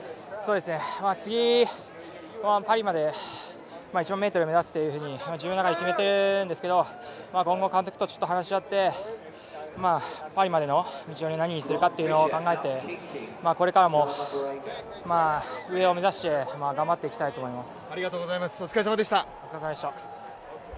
次、パリまで１００００ｍ目指すというふうに自分の中で決めてるんですけど今後、監督と話し合って、パリまでの目標を何になるか考えてこれからも、上を目指して頑張っていきたいと思います。